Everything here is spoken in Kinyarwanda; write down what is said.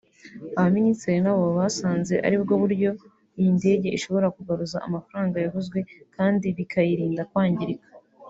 Abaminisitiri ngo basanze ari bwo buryo iyi ndege ishobora kugaruza amafaranga yaguzwe kandi bikayirinda kwangirika